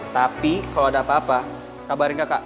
tapi kalau ada apa apa kabarin kakak